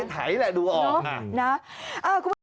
ไถแหละดูออกนะ